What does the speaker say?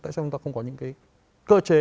tại sao chúng ta không có những cái cơ chế